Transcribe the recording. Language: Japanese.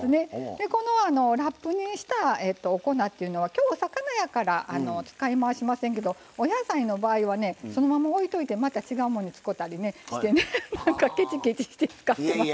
このラップにしたお粉っていうのはきょうは魚やから使い回しませんけどお野菜の場合はねそのままおいといてまた違うものに使うたりしてねケチケチして使ってます。